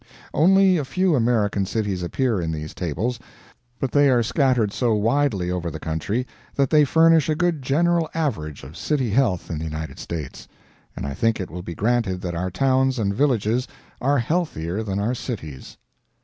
Only a few American cities appear in these tables, but they are scattered so widely over the country that they furnish a good general average of CITY health in the United States; and I think it will be granted that our towns and villages are healthier than our cities.